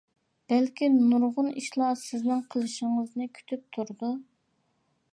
بەلكىم نۇرغۇن ئىشلار سىزنىڭ قىلىشىڭىزنى كۈتۈپ تۇرىدۇ!